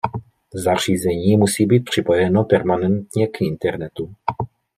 Zařízení musí být připojeno permanentně k internetu.